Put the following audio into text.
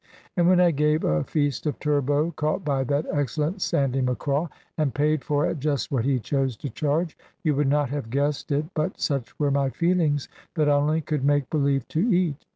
And when I gave a feast of turbot caught by that excellent Sandy Macraw (and paid for at just what he chose to charge), you would not have guessed it, but such were my feelings, that I only could make believe to eat.